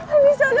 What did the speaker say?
andi selamat andi